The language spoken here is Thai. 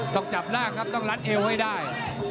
ต้องจับร่างครับต้องรัดเอวให้ได้